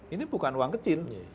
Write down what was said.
ini bukan uang kecil